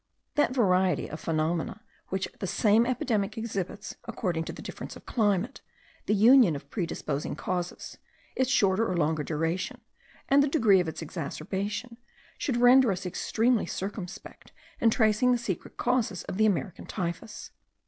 That variety of phenomena which the same epidemic exhibits, according to the difference of climate, the union of predisposing causes, its shorter or longer duration, and the degree of its exacerbation, should render us extremely circumspect in tracing the secret causes of the American typhus.